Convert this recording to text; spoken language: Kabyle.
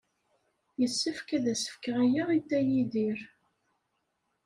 Yessefk ad as-fkeɣ aya i Dda Yidir.